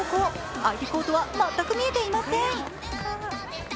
相手コートは全く見えていません。